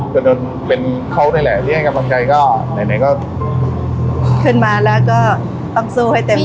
จนจนเป็นเขานั่นแหละที่ให้กำลังใจก็ไหนไหนก็ขึ้นมาแล้วก็ต้องสู้ให้เต็มที่